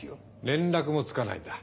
連絡もつかないんだ。